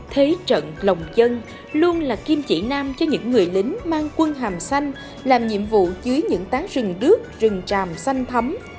thế trận lòng dân luôn là kim chỉ nam cho những người lính mang quân hàm xanh làm nhiệm vụ dưới những tán rừng đước rừng tràm xanh thấm